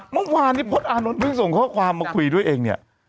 มึงส่งข้อความมาคุยด้วยเองเนี่ย